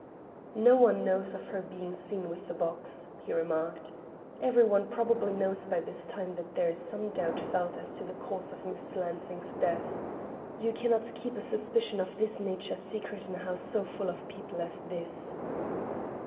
"No one knows of her being seen with the box," he remarked. "Every one probably knows by this time that there is some doubt felt as to the cause of Mrs. Lansing's death. You can not keep a suspicion of this nature secret in a house so full of people as this."